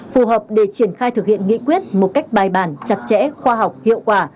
phù hợp để triển khai thực hiện nghị quyết một cách bài bản chặt chẽ khoa học hiệu quả